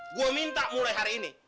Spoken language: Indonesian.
gue minta mulai hari ini